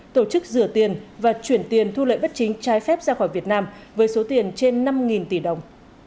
tổ chức rửa tiền và chuyển tiền thu lợi bất chính trái phép ra khỏi việt nam với số tiền trên năm tỷ đồng